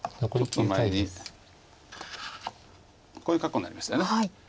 こういう格好になりましたよね。